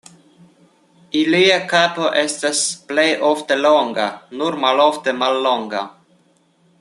Ilia kapo estas plej ofte longa, nur malofte mallonga.